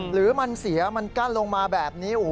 หรือมันเสียมันกั้นลงมาแบบนี้